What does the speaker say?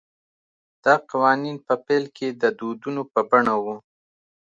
دا قوانین په پیل کې د دودونو په بڼه وو